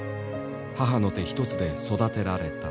母の手ひとつで育てられた。